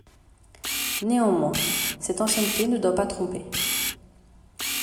Néanmoins cette ancienneté ne doit pas tromper.